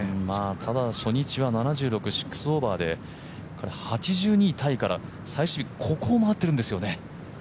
ただ、初日は７６、６オーバーで８２位タイから最終日、ここを回ってるんですよね。